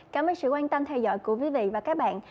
cảm ơn sự quan tâm theo dõi của quý vị và các bạn